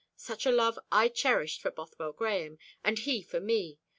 Such a love I cherished for Bothwell Grahame, and he for me.